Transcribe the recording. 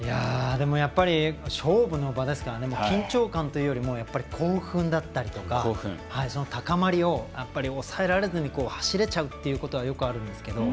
やっぱり勝負の場ですから緊張感というよりも興奮だったりとか高まりを抑えられずに走れちゃうということはよくあるんですが。